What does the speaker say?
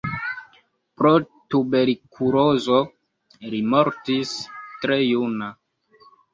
Pro tuberkulozo li mortis tre juna.